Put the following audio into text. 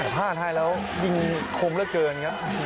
ผ่านให้แล้วยิงคมเกินครับ